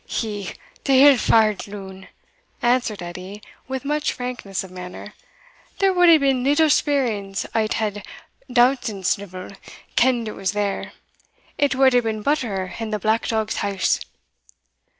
"He, the ill fa'ard loon!" answered Edie, with much frankness of manner "there wad hae been little speerings o't had Dustansnivel ken'd it was there it wad hae been butter in the black dog's hause."